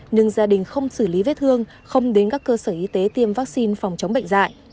nhưng gia đình không xử lý vết thương không đến các cơ sở y tế tiêm vaccine phòng chống bệnh dạy